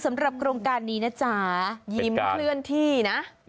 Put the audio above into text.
สำหรับโครงการนี้นะจ๊ะยิ้มเคลื่อนที่นะ